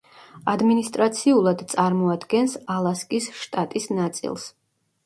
ადმინისტრაციულად წარმოადგენს ალასკის შტატის ნაწილს.